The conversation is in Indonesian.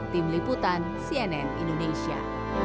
tim liputan cnn indonesia